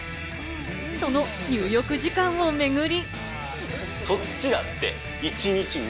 その入浴時間を巡り。